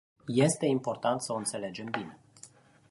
Este important să o înțelegem bine.